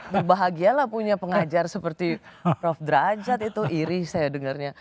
berbahagialah punya pengajar seperti prof derajat itu iri saya dengarnya